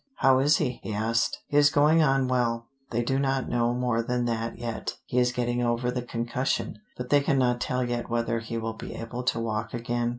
"How is he?" he asked. "He is going on well. They do not know more than that yet. He is getting over the concussion, but they cannot tell yet whether he will be able to walk again."